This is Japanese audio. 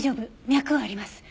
脈はあります。